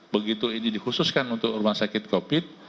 begitu ini dikhususkan untuk rumah sakit covid